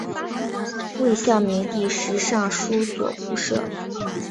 魏孝明帝时尚书左仆射。